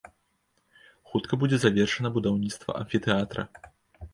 Хутка будзе завершана будаўніцтва амфітэатра.